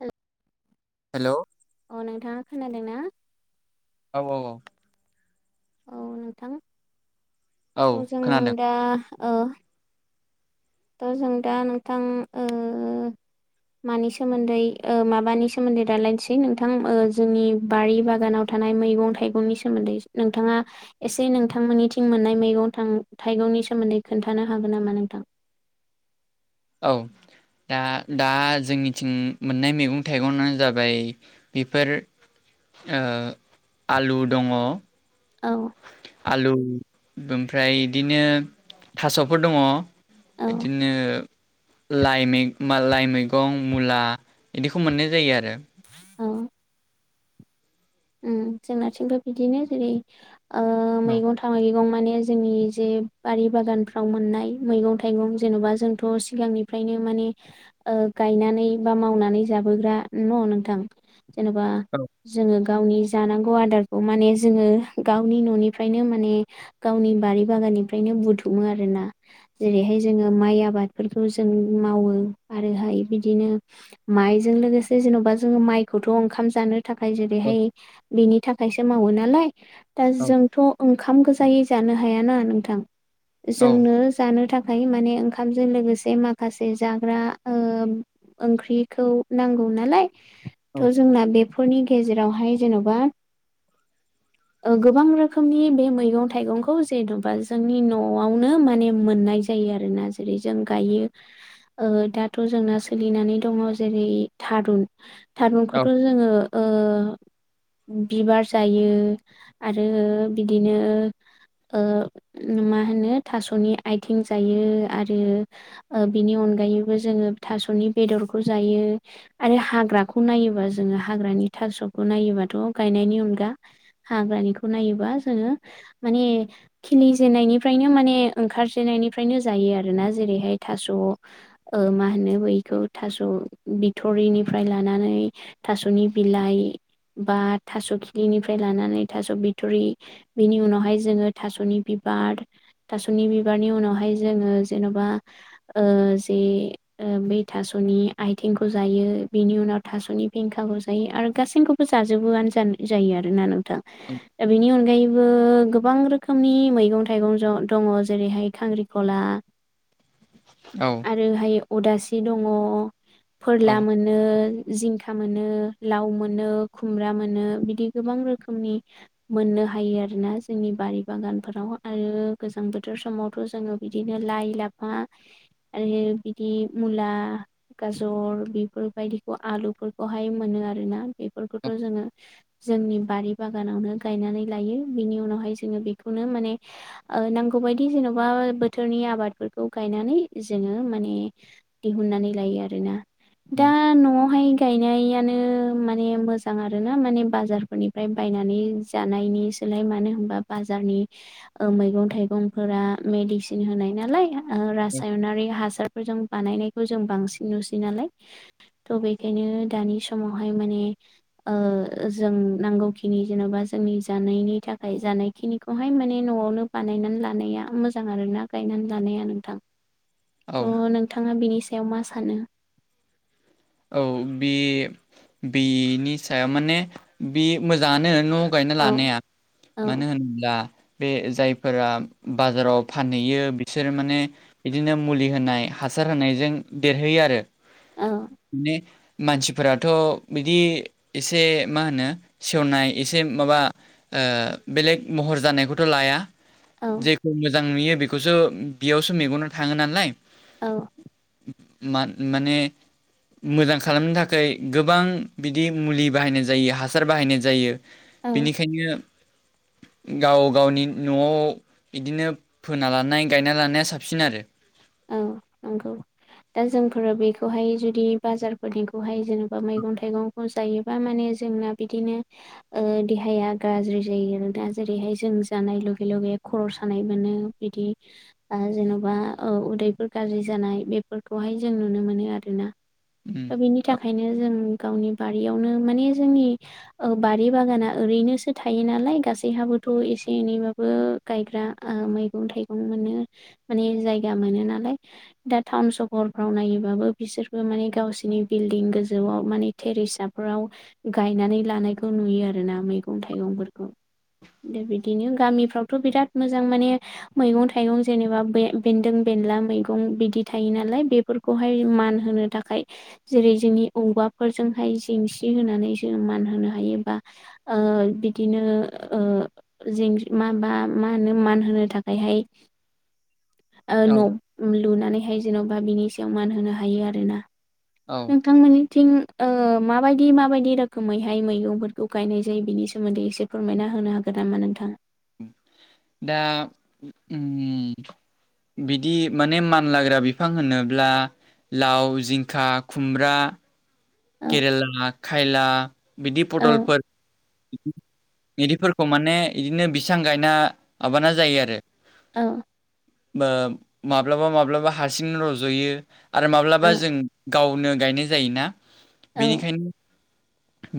हेल हेल' अ नोंथाङा खोनादों ना औ औ औ औ नोंथां औ थ' जों खोनादों दा ओ थ' जों दा नोंथां ओ। मानि सोमोन्दै ओ माबानि सोमोन्दै रालायनोसै नोंथां ओ जोंनि बारि बागानाव थानाय मैगं थाइगंनि सोमोन्दै इस नोंथाङा एसे नोंथांमोननिथिं मोननाय मैगं थां थाइगंनि सोमोन्दै खोन्थानो हागोन नामा नोंथां? औ दा दा जोंनिथिं मोननाय मैगं थाइगंङानो जाबाय बेफोर ओ आलु दङ औ आलु ओमफ्राय इदिनो थास'फोर दङ औ बिदिनो लाइ मै मा लाइ मैगं मुला इदिखौ मोननाय जायो आरो औ उम जोंनाथिंबो बिदिनो जेरै ओ मैगं थाइ गं माने जोंनि जे बारि बागानफ्राव मोननाय मैगं थाइगं जेन'बा जोंथ' सिगांनि फ्रायनो माने ओ गायनानै बा मावनानै जाबोग्रा न' नोंथां जेन'बा औ जोङो गावनि जानांगौ आदारखौ माने जोङो गावनि न'निफ्रायनो माने गावनि बारि बागाननिफ्रायनो बुथुमो आरो ना। जेरैहाय जोङो माइ आबादफोरखौ जों मावो आरोहाय बिदिनो माइजों लोगोसे जेन'बा जोङो माइखौथ' ओंखाम जानो थाखाय जे बेहाय बेनि थाखायसो मावो नालाय दा जोंथ' औ खाम गोजायै जानो हाया ना नोंथां औ जोंनो जानो थाख फ्राय माने ओंखामजों लोगोसे माखासे जाग्रा ओम ओंख्रिखौ नांगौ नालाय थ' जोंना बेफोरनि गेजेरावहाय जेन'बा ओ गोबां रोखोमनि बे मैगं थाइगंखौ जेन'बा जोंनि न'आवनो माने मोननाय जा जायो आरोना जेरै जों गायो। ओ दाथ' जोंना सोलिनानै दङ जेरै थारुन औ थारुनखौथ' जोङो ओ बिबार जायो आरो बिदिनो ओ मा होनो थास'नि आथिं जायो आरो ओ बिनि अनगायैबो जोङो थास'नि बेदरखौ जायो। आरो हाग्राखौ नायोबा जोङो हाग्रानि थास'खौ नायोबाथ' गायनायनि अनगा हाग्रानिखौ नायोबा जोङो माने खिलिजेननायनिफ्रायनो माने ओंखार जेननायनिफ्रायनो जायो आरोना जेरैहाय थास' ओ मा होनो बैखौ थास' बिथ'रिनिफ्राय लानानै थास'नि बिलाइ बा थास' खिलिनिफ्राय लानानै थास' बिथुरि। बिनि उनावहाय जोङो थास'नि बिबार। थास'नि बिबारनि उनावहाय जोङो जेन'बा ओ जे ओ बै थास'नि आइथिंखौ जायो बिनि उनाव थास'नि फेंखाखौ ज जायो आरो गासैखौबो जाजोबोआनो जान जायो आरोना नोंथां दा बेनि अनगायैबो गोबां रोखोमनि मैगं थाइगं ज दङ जेरैहाय खांख्रिखला [inaudible] औ आरोहाय अदासि दङ फोरला औ मोनो जिंखा मोनो लाव मोनो खुमब्रा मोनो बिदि गोबां रोखोमनि मोननो हायो आरोना जोंनि बारि बागानफोराव आरो गोजां बोथोर समाव थ' जोङो बिदिनो लाइ लाफा आरो बिदि मुला गाजर बेफोरबायदिखौ आलुफोरखौहाय मोनो आरोना बेफोरखौथ' जोङो जोंनि बारि बागानावनो गायनानै लायो बिनि उनावहाय जोङो बेखौनो माने नांगौ बायायदि जेन'बा बोथोरनि आबादफोरखौ गायनानै जोङो माने दिहुननानै लायो आरोना दा न'आवहाय गायनायानो माने मोजां आरो ना माने बाजारफोरनिफ्राय बायनानै जानायनिसोलाय मानो होनबा बाजारनि मैगं थाइगंफोरा मेडिसिन होनाय नालाय औ रासायनारि हासार फोरजों बानायनायखौ जों बांसिन नुसै नालाय थ' बेखायनो दानि समाव बेयाव माने ओ जों नांगौखिनि जेन'बा जोंनि जानायनि थाखाय जानाय बे खिनिखौहाय माने न'आवनो बानायनानै लानाया मोजां आरोना गायनानै लानाया नोंथां औ औ थ' नोंथाङा बिनि सायाव मा सानो औ बे बेनि सायाव माने बे मोजाङानो न' गायना औ लानाया औ मानो होनोब्ला बे जायफोरा बाजाराव फानहैयो बिसोरो माने बिदिनो मुलि होनाय हासार होनायजों देरहोयो आरो औ माने मानसिफोराथ' बिदि एसे मा होनो सेवनाय एसे माबा ओ बेलेग महर जानायखौथ' लाया औ जेखौ मोजां नुयो बेखौसो बेयावसो मेगनाव थाङो नालाय औ मा माने मोजां खालामनो थाखाय गोबां बिदि मुलि बाहायनाय जायो हासार बाहायनाय जायो औ बेनिखायनो गाव गावनि न'आव बिदिनो फोना लानाय गायना लानाया साबसिन आरो औ नंगौ दा जोंफोर बेखौहाय जुदि बाजारफोरनिखौहाय जेनेबा मैगं थाइगं जायोबा माने जोंना बिदिनो ओ देहाया गाज्रि जायो आरो दा जेरैहाय जों जानाय लगे - लगे खर' सानाय मोनो बिदि जेन'बा औ उदैफोर गाज्रि जानाय बेफोरखौहाय जों नुनो मोनो आरोना उम बेनि थाखायनो जों गावनि बारियावनो माने जोंनि बारि बागाना ओरैनोसो थायो नालाय गासैहाबोथ' एसे एनैबाबो गायग्रा मैगं थाइगं मोननो माने जायगा मोनो नालाय दा टाउन सहरफ्राव नायोबाबो बिसोरबो माने गावसिोरनि बिल्डिं गोजौआव माने थेरिसाफोराव गायनानै लानायखौ नुयो आरो ना मैगं थाइगंफोरखौ दा बिदिनो गामिफ्रावथ' बिराद मोजां माने मैगं - थाइगं जेनेबा बे बेन्दों बेनला मैगं बिदि थायो नालाय बेफोरखौहाय मान होनो थाखाय जेरै जोंनि औवाफोरजोंहाय जेंसि होनानै जों मान होनो हायोबा ओ बिदिनो ओ माबा मा होनो मान होनो थाखायहाय ओ औ न' लुनानैहाय जेन'बा बिनि सायाव मान होनो हायो आरोना औ नोथांमोनि थिं माबायदि माबायदि रोखोमैहाय मैगंफोरखौ गायनाय जायो बिनि सोमोन्दै एसे फोरमायना होनो हागोन नामा नोंथाङा। दा उम बिदि माने मानलाग्रा बिफां होनोब्ला लाव जिंखा खुमब्रा औ केरेला खायला बिदि औ पदलफोर इदिफोरखौ माने बिदिनो बिसबां गायना मबाना जायो आरो औ। ओ माब्लाबा माब्लाबा हारसिं रज'यो आरो औ माब्लाबा जों गावनो गायनाय जायोना। औ बेनिखायनो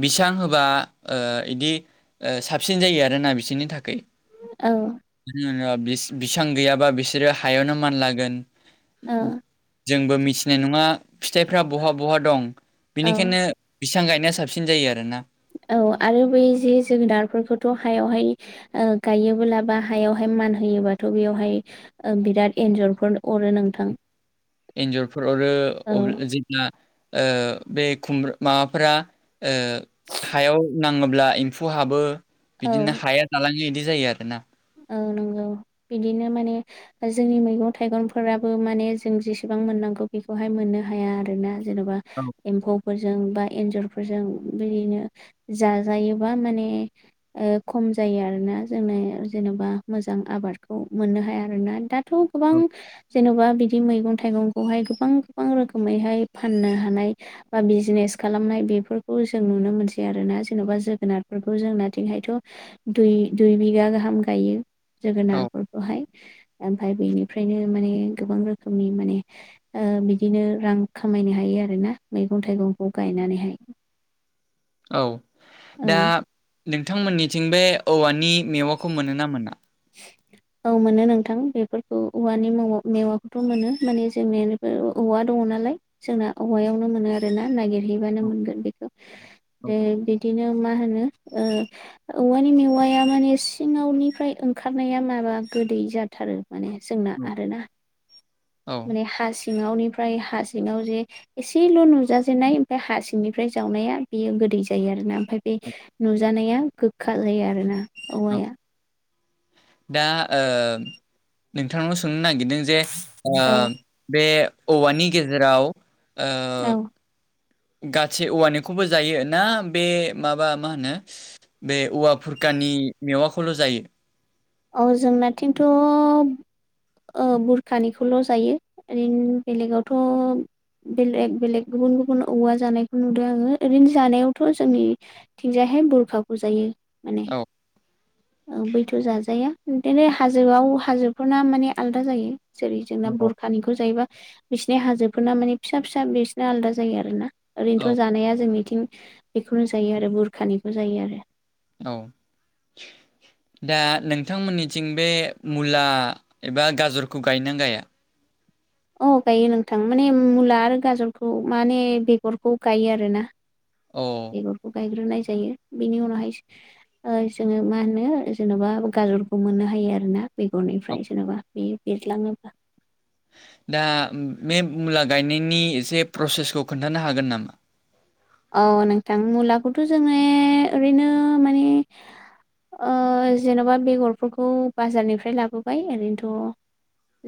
बिसां होबा ओ इदि ओ साबसिन जायो आरोना बिसिनि थाखै। औ। [unintelligible] बिस-बिसां गैयाबा बिसोरो हायावनो मानलागोन। औ जोंबो मिथिनाय नङा फिथाइफ्रा बहा बहा दं। औ बिनिखायनो बिसां गायनाया साबसिन जायो आरो ना। औ आरो बै जे जोगोनारफोरखौथ' हायावहाय ओ गायोबोला बा हायावहाय मानहोयोबाथ' बियावहाय ओ बिराद एन्जरफोर अरो नों एन्जरफोर अरो [unintelligible] औ ओ बे खुम्ब माबाफोरा ओ हायाव नाङोब्ला एम्फु हाबो। औ बिदिनो हाया जालाङो बिदि जायो आरो ना। औ नंगौ, बिदिनो माने जोंनि मैगं थाइगंफोराबो माने जों जेसेबां मोननांगौ बेखौहाय मोननो हाया आरोना। जेन'बा औ। एम्फौफोरजों बा एन्जरफोरजों बिदिनो जाजायोबा माने ओ खम जायो आरोना जोंनो जेन'बा मोजां आबादखौ मोननो हाया आरोना। दाथ' गोबां औ जेन'बा बिदि मैगं थाइगंखौहाय गोबां गोबां रोखोमैहाय फाननो हानाय बा बिजिनेस खालामनाय बेफोरखौ जों नुनो मोनसै आरोना। जेन'बा जोगोनारफोरखौ जोंनाथिंहायथ' दुइ दुइ बिगा गाहाम गायो औ जोगोनारफोरखौहाय। ओमफाय बेनिफ्रायनो माने गोबां रोखोमनि माने ओ बिदिनो रां खामायनो हायो आरोना मैगं थाइगंखौ गायनानैहाय। औ। औ दा नोंथांमोननिथिं बे औवानि मेवाखौ मोनो ना मोना? औ मोनो नोंथां, बेफोरखौ औवानि मव मेवाखौथ' मोनो। माने जोंनि औवा दङ' नालाय जोंना औवायावनो मोनो आरो ना नागिरहैबानो मोनगोनबे खौ। ओ बिदिनो मा होनो ओ औवानि मेवाया माने सिङावनिफ्राय ओंखारनाया माबा गोदै जाथारो। माने जोंना आरोना औ माने हा सिङावनिफ्राय हा सिङाव जे एसेल' नुजाजेननाय ओमफाय हा सिंनिफ्राय जावनाया बेयो गोदै जायो आरोना। ओमफाय बे नुजानाया गोखा जायो आरोना औवाया। दा ओ नोंथांनाव सोंनो नागिरदों जे ओ औ बे औवानि गेजेराव ओ औ गाति औवानिखौबो जायो ना बे माबा मा होनो बे औवा फुरखानि मेवाखौल' जायो? औ जोंना थिन्थु ओ बुरखानिखौल' जायो। ओरैनो बेलेगावथ' बेलेग बेलेग गुबुन गुबुन औवा जानायखौ नुदों आङो। ओरैनो जानायावथ' जोंनि थिंजायहाय बुरखाखौ जायो माने। औ औ बैथ' जाज जाया। बिदिनो हाजोआव हाजोफोरना माने आदा जायो। जेरै जोंना औ बुर खानिखौ जायोबा बिसिनि हाजोफोरना माने फिसा फिसा बिसिना आलादा जायो आरोना। ओरैनोथ' जानाया जोंनिथिं बेखौनो जायो आरो बुरखानिखौ जायो आरो। औ, दा नोंथांमोननिथिं बे मुला एबा गाजरखौ गायोना गाया? औ गायो नोंथां माने मुला आरो गाजरखौ माने बेगरखौ गायो आरोना। अ बेगरखौ गायग्रोनाय जायो। बिनि उनावहायसो ओ जोङो मा होनो जेन'बा गाजरखौ मोननो हायो आरो ना बेगरनिफ्राय जेन'बा। बे बेग्लांङोबा दा बे मुला गायनायनि एसे प्रसेसखौ खोन्थानो हागोन नामा? औ नोंथां मुलाखौथ' जोङो ओरैनो माने ओ जेन'बा बेगरफोरखौ बाजारनिफ्राय लाबोबाय ओरैनोथ'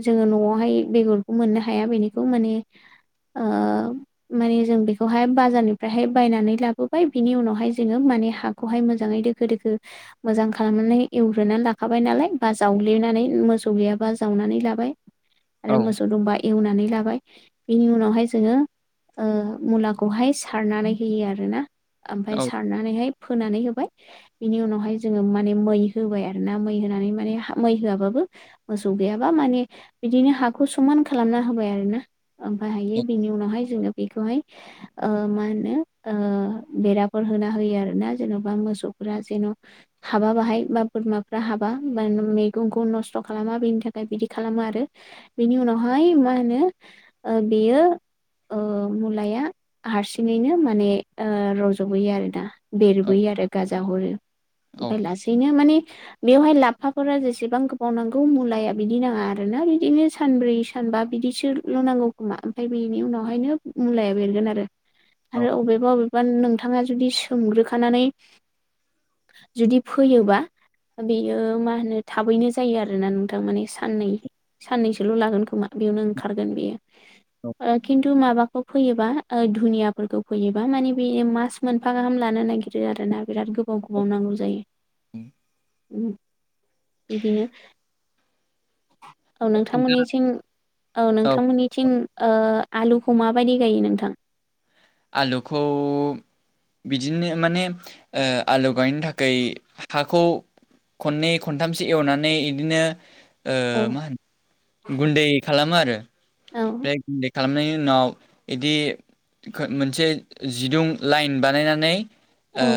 जोङो न'आवहाय बेगरखौ मोननो हाया बेनिखौ माने ओ माने जों बेखौहाय बाजारनि फ्रायहाय बायनानै लाबोबाय बिनि उनावहाय जोङो माने हाखौहाय मोजाङै दोखो दोखो मोजां खालामनानै एवग्रोनानै लाखाबाय नालाय बा जावग्लिनानै मोसौ गैयाबा जावनानै लाबाय। आरो औ मोसौ दंबा एवनानै लाबाय। बेनि उनावहाय जोङो ओ मुलाखौहाय सारनानै होयो आरोना औ ओमफाय सारनानैहाय फोनानै होबाय। बिनि उनावहाय जोङो माने मै होबाय आरो ना मै होनानै माने मै होआबाबो मोसौ गैयाबा माने बिदिनो हाखौ समान खालामना होबाय आरो ना। ओमफ्राय हायो बिनि उनावहाय जोङो बेखौहाय ओ मा होनो ओ बेराफोर होना होयो आरोना जेन'बा मोसौफोरा जेन' हाबा बाहाय बा बोरमाफ्रा हाबा बा मैगंखौ नस्थ' खालामा बेनि थाखाय बिदि खालामो आरो बेनि उनावहाय मा होनो ओ बेयो ओ मुलाया हारसिङैनो माने ओ रज'बोयो आरोना औ बेरबोयो आरो गाजा हरो। ओमफाय लासैनो माने बेवहाय लाफाफोरा जेसेबां गोबाव नांगौ मुलाया बिदि नाङा आरोना बिदिनो सानब्रै सानबा बिदिसो ल' नांगौ खोमा ओमफ्राय बेनि उनावहायनो मुलाया बेरगोन आरो। औ आरो अबेबा अबेबा नोंथाङा जुदि सोमग्रोखानानै जुदि फैयोबा बेयो मा होनो थाबैनो जायो आरोना नोंथां माने साननै साननैसोल' लागोन खोमा बेयावनो ओंखारगोन बेयो औ ओ खिन्थु माबाखौ फोयोबा ओ धुनियाफोरखौ फोयोबा माने बे मास मोनफा गाहाम लानो नागिरो आरोना बिराद गोबाव गोबाव नांगौ जायो। उम बिदिनो औ दा नोंथांमोननिसिम औ नोंथांमोननिथिं ओ आलुखौ माबायदि गायो नोंथां? आलुखौ बिदिनो माने ओ आलु गायनो थाखाय हाखौ खननै खनथामसो एवनानै इदिनो ओ औ मा होनो गुन्दै खालामो आरो औ बे गुन्दै खालामनायनि उनाव इदि मोनसे जिदुं लाइन बानायनानै ओ औ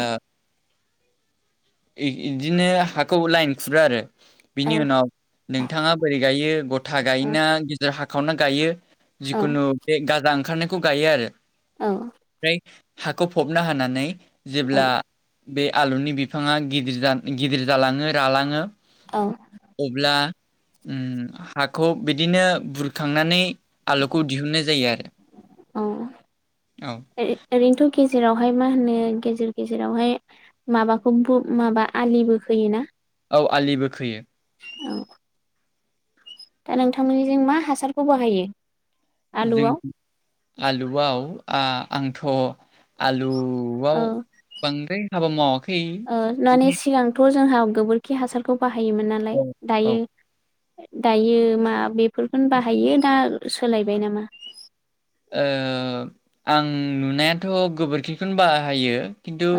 इ-इदिनो हाखौ लाइन खुरो आरो औ बिनि उनाव नोंथाङा बोरै गायो गथा औ गायोना गेजेर हाखावना गायो औ जिखुनु बे गाजा ओंखारनाय खौ गायो आरो। औ ओमफ्राय हाखौ फबना हानानै औ जेब्ला बे आलुनि बि बिफाङा गिदर-जा गिदिर जालाङो रालाङो औ अब्ला उम हाखौ बिदिनो बुरखांनानै आलुखौ दिहुनन्नाय जायो आरो। औ औ ओ ओरैनोथ' गेजेरावहाय मा होनो गेजेर गेजेरावहाय माबाखौ ब' माबा आलिबो खोयोना? औ आलिबो खोयो। औ दा नोंथांमोननिजों मा हासारखौ बाहायो? आलुआव जों आलुआव आ आंथ' आलु बाव औ बांद्राय हाबा मावाखै उम थ' जोंहा गोबोरखि हासारखौ बाहायोमोन नालाय औ औ दायो ओ दायो मा बेफोरखौनो बाहायो दा सोलायबाय नामा? ओ आं नुनायाथ' गोबोरखिखौनो बाहायो खिन्थु